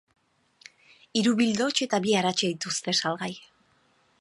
Hiru bildots eta bi aratxe dituzte salgai.